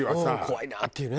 怖いなっていうね。